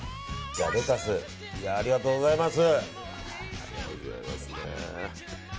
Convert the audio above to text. レタス、ありがとうございます。